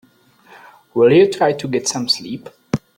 Will you try to get some sleep?